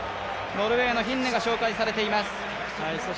ノルウェーのヒンネが紹介されています。